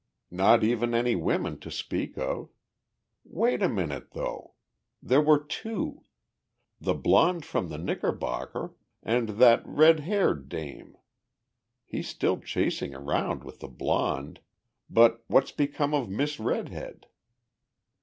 Not even any women to speak of. Wait a minute, though! There were two. The blond from the Knickerbocker and that red haired dame. He's still chasing around with the blond but what's become of Miss Red head?"